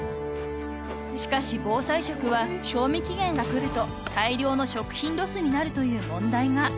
［しかし防災食は賞味期限がくると大量の食品ロスになるという問題が］